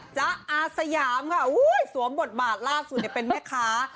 จ๊ะอาสยามค่ะสวมบทบาทล่าสุดเป็นแม่ค้า